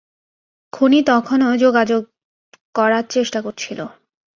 খুনি তখনও যোগাযোগ করার চেষ্টা করছিল।